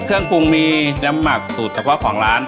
เครื่องปรุงมีน้ำหมักสูตรเฉพาะของร้าน